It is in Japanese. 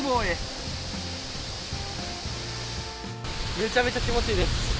めちゃめちゃ気持ちいです。